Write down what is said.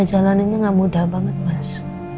jalanannya gak mudah banget mas